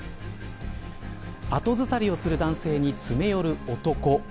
後ずさりをする男性に詰め寄る男